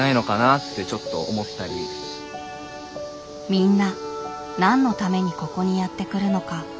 みんな何のためにここにやって来るのか。